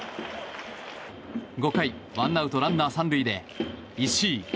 ５回ワンアウトランナー３塁で石井。